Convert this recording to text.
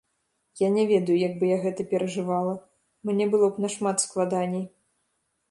Я не ведаю, як бы я гэта перажывала, мне было б нашмат складаней.